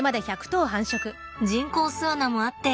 人工巣穴もあって